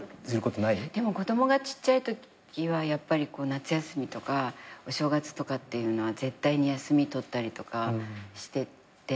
でも子供がちっちゃいときはやっぱり夏休みとかお正月とかっていうのは絶対に休み取ったりとかしてて。